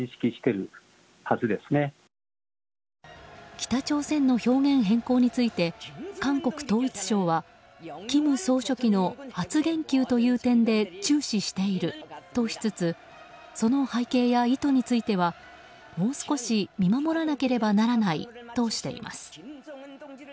北朝鮮の表現変更について韓国統一省は金総書記の初言及という点で注視しているとしつつその背景や意図についてはもう少し見守らなければならないとしています。